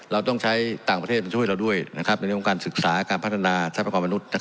เราต้องใช้ต่างประเทศที่ช่วยเราด้วยนะครับเป็นร่วมการศึกษาการพันธนาใช้ประความมนุษย์นะครับ